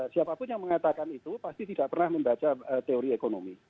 siapapun yang mengatakan itu pasti tidak pernah membaca teori ekonomi